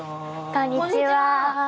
こんにちは。